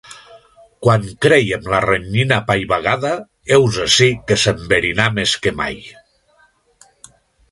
Quan crèiem la renyina apaivagada, heus ací que s'enverinà més que mai.